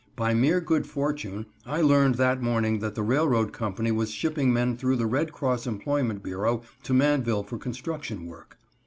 By mere good fortune I learned that morning that the railroad company was shipping men through the Red Cross Employment Bureau to Manvel for construction work.